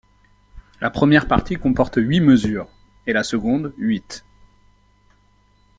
La première partie comporte huit mesures et la seconde huit.